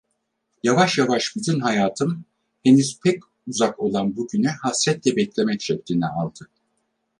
Yavaş yavaş bütün hayatım, henüz pek uzak olan bu günü hasretle beklemek şeklini aldı.